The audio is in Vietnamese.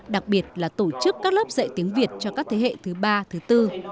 đặc biệt là tổ chức các lớp dạy tiếng việt cho các thế hệ thứ ba thứ tư